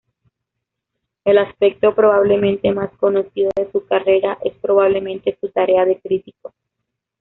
El aspecto probablemente más conocido de su carrera es probablemente su tarea de crítico.